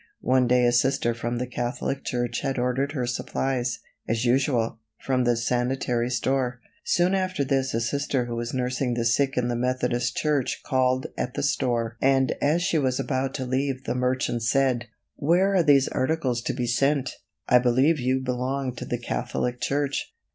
One day a Sister from the Catholic church had ordered her supplies, as usual, from the sanitary store. Soon after this a Sister who was nursing the sick in the Methodist church called at the store and as she was about to leave the merchant said: "Where are these articles to be sent? I believe that you belong to the Catholic church."